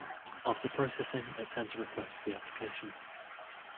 After processing, it sends a request to the application.